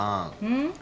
うん？